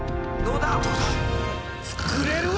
どうだ？